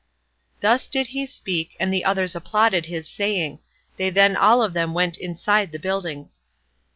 Thus did he speak, and the others applauded his saying; they then all of them went inside the buildings.